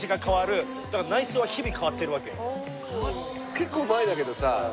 結構前だけどさ